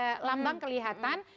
tidak ada lambang kelihatan